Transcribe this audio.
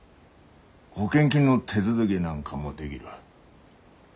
保険金の手続きなんかもでぎる。